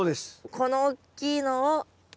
このおっきいのを。